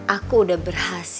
aku udah berhasil